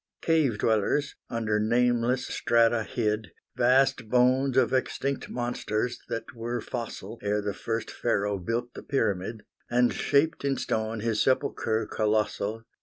Cave dwellers, under nameless strata hid, Vast bones of extinct monsters that were fossil, Ere the first Pharaoh built the pyramid, And shaped in stone his sepulchre colossal.